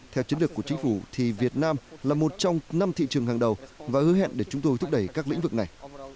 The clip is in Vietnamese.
theo chiến lược của chính phủ thì việt nam là một trong năm thị trường hàng đầu và hứa hẹn để chúng tôi thúc đẩy các lĩnh vực này